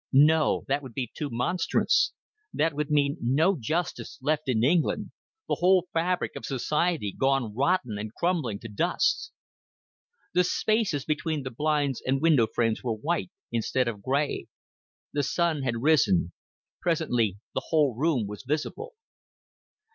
No, that would be too monstrous; that would mean no justice left in England, the whole fabric of society gone rotten and crumbling to dust. The spaces between the blinds and window frames were white instead of gray; the sun had risen; presently the whole room was visible.